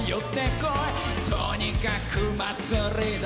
「とにかくまつりだ」